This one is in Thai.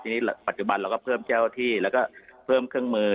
ทีนี้ปัจจุบันเราก็เพิ่มเจ้าที่แล้วก็เพิ่มเครื่องมือ